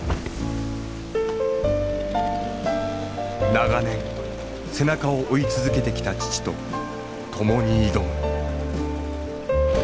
長年背中を追い続けてきた父と共に挑む。